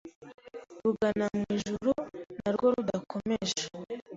rugana mu ijuru na rwo ndarukomeje